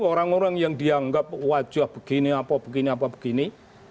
orang orang yang dianggap wajah begini apa begini apa begini